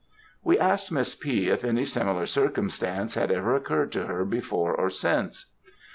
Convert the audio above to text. We asked Miss P. if any similar circumstance had ever occurred to her before or since.